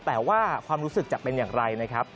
แต่ว่าความรู้สึกจะเป็นอย่างไรนะครับ